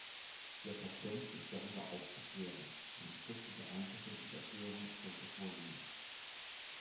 Der Patient ist darüber aufzuklären; eine schriftliche Einverständniserklärung sollte vorliegen.